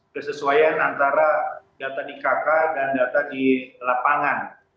kesesuaian antara data di kk dan data di lapangan